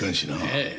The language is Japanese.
ええ。